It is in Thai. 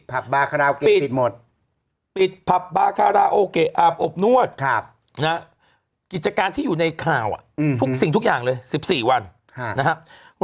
บาคาราโอเกะปิดหมดปิดผับบาคาราโอเกะอาบอบนวดกิจการที่อยู่ในข่าวทุกสิ่งทุกอย่างเลย๑๔วันนะครับ